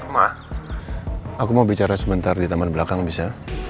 mak aku mau bicara sebentar di taman belakang bisa